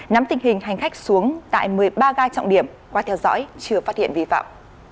nắm tình hình hành khách xuống tại một mươi ba ga trọng điểm qua theo dõi chưa phát hiện vi phạm